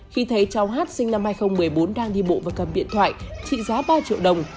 khi thấy cháu hát sinh năm hai nghìn một mươi bốn đang đi bộ và cầm điện thoại trị giá ba triệu đồng